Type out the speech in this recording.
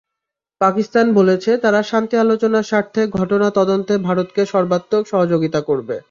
পাকিস্তান বলেছে, তারা শান্তি আলোচনার স্বার্থে ঘটনা তদন্তে ভারতকে সর্বাত্মক সহযোগিতা করবে।